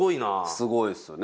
すごいですよね